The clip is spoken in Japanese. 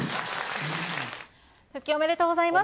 復帰おめでとうございます。